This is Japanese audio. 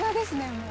もう。